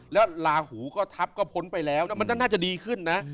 แล้วลาหูก็ทัพก็พ้นไปแล้วมันน่าจะดีขึ้นนะ